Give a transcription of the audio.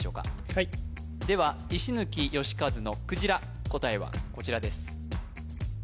はいでは石貫能和のくじら答えはこちらです